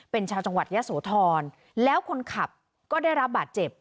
เป็นชาวจังหวัดยะโสธรแล้วคนขับก็ได้รับบาดเจ็บ